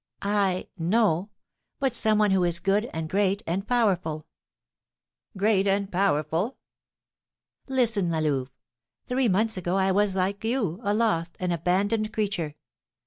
"I! No; but some one who is good, and great, and powerful." "Great and powerful?" "Listen, La Louve. Three months ago I was, like you, a lost, an abandoned creature.